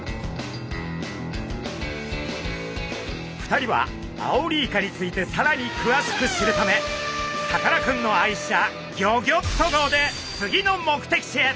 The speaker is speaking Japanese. ２人はアオリイカについてさらにくわしく知るためさかなクンの愛車ギョギョッと号で次の目的地へ！